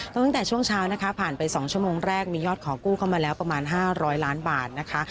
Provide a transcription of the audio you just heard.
ตั้งแต่ช่วงเช้านะคะผ่านไป๒ชั่วโมงแรกมียอดขอกู้เข้ามาแล้วประมาณ๕๐๐ล้านบาทนะคะ